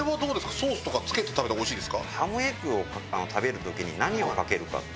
ソースとかつけて食べた方がおいしいですか？